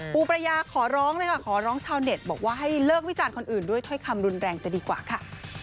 ประยาขอร้องเลยค่ะขอร้องชาวเน็ตบอกว่าให้เลิกวิจารณ์คนอื่นด้วยถ้อยคำรุนแรงจะดีกว่าค่ะ